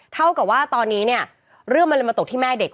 เท่ากับว่าตอนนี้เนี่ยเรื่องมันเลยมาตกที่แม่เด็ก